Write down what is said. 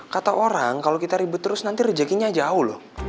kata orang kalau kita ribut terus nanti rejekinya aja awu loh